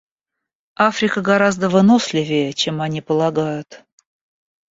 Африка гораздо выносливее, чем они полагают.